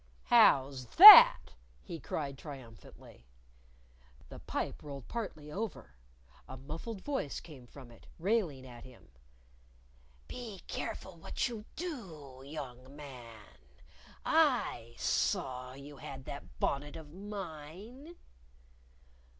"How's that!" he cried triumphantly. The pipe rolled partly over. A muffled voice came from it, railing at him: "Be careful what you do, young man! I saw you had that bonnet of mine!"